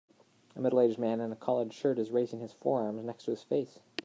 A middleaged man in a collard shirt is raising his forearms next to his face.